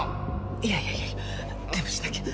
いやいやいやでもしなきゃ。